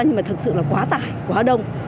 nhưng mà thật sự là quá tải quá đông